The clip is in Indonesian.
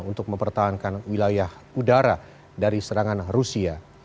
untuk mempertahankan wilayah udara dari serangan rusia